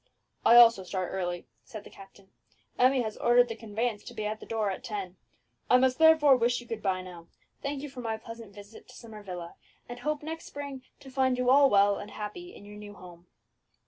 "I also start early," said the captain. "Emmie has ordered the conveyance to be at the door at ten. I must therefore wish you good bye now, thanking you for my pleasant visit to Summer Villa, and hoping next spring to find you all well and happy in your new home."